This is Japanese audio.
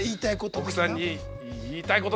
奥さんに言いたいこと。